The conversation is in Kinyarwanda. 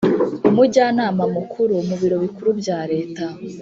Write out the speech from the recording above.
Umujyanama Mukuru mu Biro Bikuru bya leta